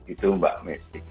itu mbak mesty